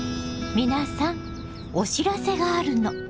皆さんお知らせがあるの。